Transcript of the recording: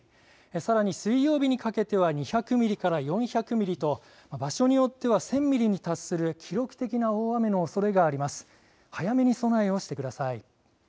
さらに水曜日にかけては２００ミリから４００ミリと場所によっては１０００ミリに達する記録的な大雨のおそれがあります。